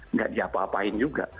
nggak diapa apain juga